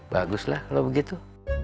bagus lah kalau begitu